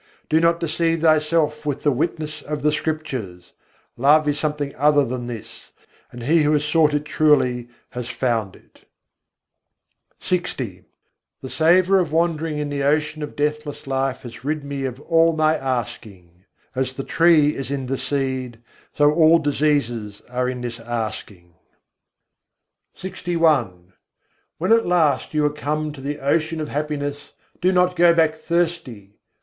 Do not deceive thyself with the witness of the Scriptures: Love is something other than this, and he who has sought it truly has found it. LX I. 56. sukh sindh kî sair kâ The savour of wandering in the ocean of deathless life has rid me of all my asking: As the tree is in the seed, so all diseases are in this asking. LXI I. 48. sukh sâgar men âîke When at last you are come to the ocean of happiness, do not go back thirsty.